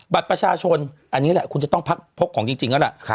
บัตรประชาชนอันนี้แหละคุณจะต้องพักพกของจริงแล้วล่ะ